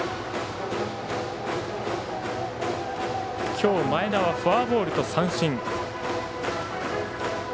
今日、前田はフォアボールと三振。